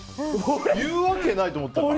言うわけないと思ったから。